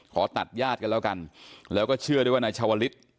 ขอตัดญาติกันแล้วกันแล้วก็เชื่อด้วยว่านายชาวลิศ